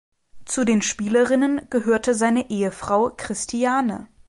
Zu den Spielerinnen gehörte seine Ehefrau Christiane.